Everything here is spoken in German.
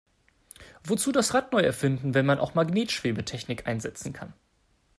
Wozu das Rad neu erfinden, wenn man auch Magnetschwebetechnik einsetzen kann?